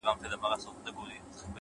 تا ويل پاتېږمه- خو ته راسره ښه پاته سوې-